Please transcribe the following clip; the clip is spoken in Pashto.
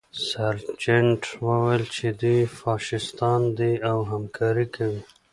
سرجنټ وویل چې دوی فاشیستان دي او همکاري کوي